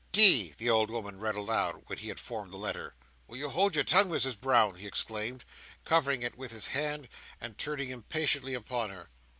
"'D,'" the old woman read aloud, when he had formed the letter. "Will you hold your tongue, Misses Brown?" he exclaimed, covering it with his hand, and turning impatiently upon her.